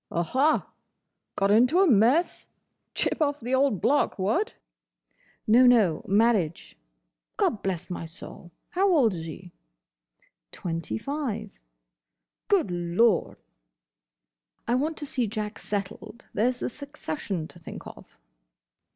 "Aha! Got into a mess? Chip of the old block—what?" "No, no. Marriage." "Gobblessmysoul! How old is he?" "Twenty five." "Good Lord!" "I want to see Jack settled. There 's the succession to think of."